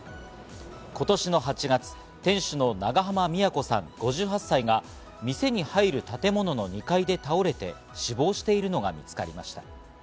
今年の８月、店主の長濱美也子さん、５８歳が店が入る建物の２階で倒れて死亡しているのが見つかりました。